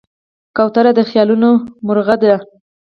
کوتره د خیالونو مرغه ده.